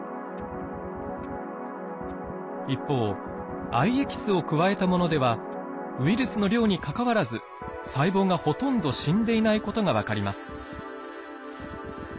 一方藍エキスを加えたものではウイルスの量にかかわらず細胞がほとんど死んでいないことが分かります。